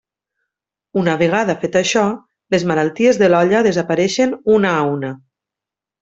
Una vegada fet això, les malalties de l'olla desapareixen una a una.